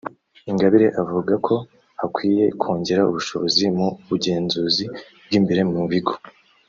Ingabire avuga ko hakwiye kongerwa ubushobozi mu bugenzuzi bw’imbere mu bigo